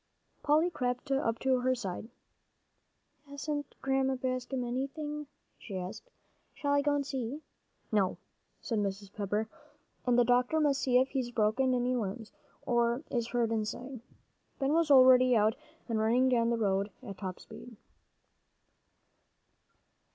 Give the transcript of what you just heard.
Polly crept up to her side. "Hasn't Grandma Bascom anything?" she asked. "Shall I go and see?" "No," said Mrs. Pepper. "And the doctor must see if he's broken any limbs, or is hurt inside." Ben was already out and running down the road at top speed.